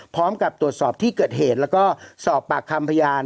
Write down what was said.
พร้อมกับตรวจสอบที่เกิดเหตุแล้วก็สอบปากคำพยาน